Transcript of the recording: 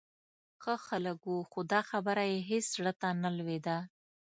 ښه خلک و، خو دا خبره یې هېڅ زړه ته نه لوېده.